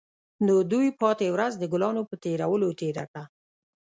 نو دوی پاتې ورځ د ګلانو په کینولو تیره کړه